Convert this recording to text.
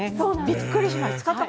びっくりしました。